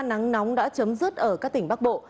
nắng nóng đã chấm dứt ở các tỉnh bắc bộ